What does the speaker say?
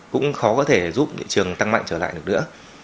cũng khó có thể giúp thị trường tăng mạnh trở lại được nữa